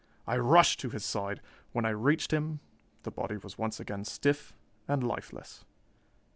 I rushed to his side. When I reached him, the body was once again stiff and lifeless.